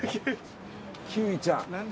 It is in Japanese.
キウイちゃん。